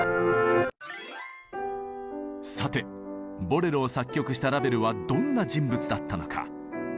さて「ボレロ」を作曲したラヴェルはどんな人物だったのか。